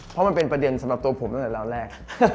เพราะมันเป็นประเด็นสำหรับตัวผมตั้งแต่ราวแรก